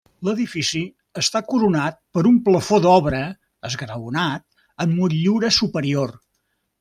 L'edifici està coronat per un plafó d'obra esglaonat amb motllura superior.